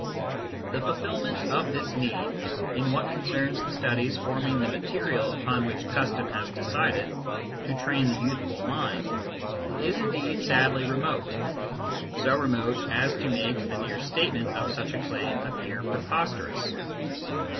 The fulfilment of this need, in what concerns the studies forming the material upon which custom has decided to train the youthful mind, is indeed sadly remote so remote as to make the mere statement of such a claim appear preposterous.